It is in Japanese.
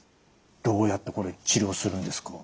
どうやってこれ治療するんですか？